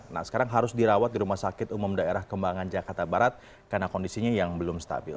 nah sekarang harus dirawat di rumah sakit umum daerah kembangan jakarta barat karena kondisinya yang belum stabil